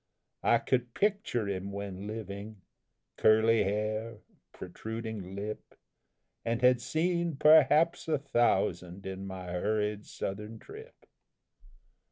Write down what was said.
I could picture him when living curly hair, protruding lip And had seen perhaps a thousand in my hurried Southern trip.